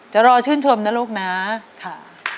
จะรอชื่นชมนะลูกนะค่ะ